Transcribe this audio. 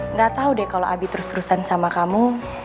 nggak tahu deh kalau abi terus terusan sama kamu